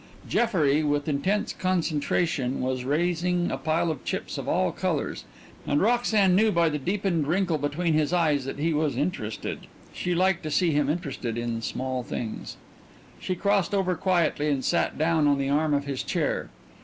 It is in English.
Jeffrey, with intense concentration, was raising a pile of chips of all colors, and Roxanne knew by the deepened wrinkle between his eyes that he was interested. She liked to see him interested in small things. She crossed over quietly and sat down on the arm of his chair.